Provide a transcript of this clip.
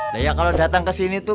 nah ya kalau datang kesini tuh